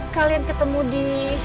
kalian ketemu di